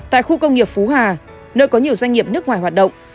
tại khu công nghiệp phú hà nơi có nhiều doanh nghiệp nước ngoài hoạt động